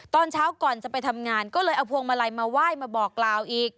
ตอนเช้าก่อนจะไปทำงานก็เลยเอาพวงมาลัยมาไหว้มาบอกกล่าวอีก